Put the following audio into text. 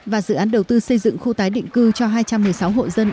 và dự án đầu tư xây dựng khu tái định cư cho hai trăm một mươi sáu hộ dân